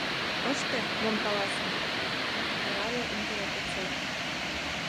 — Ыште, мом каласыме! — карале унтер-офицер.